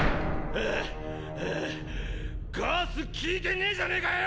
ハァッハァガス効いてねぇじゃねぇかよ